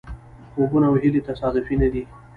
خوبونه او هیلې تصادفي نه دي.